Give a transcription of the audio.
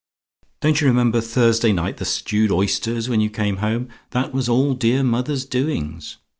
"Don't you remember Thursday night, the stewed oysters when you came home? That was all dear mother's doings!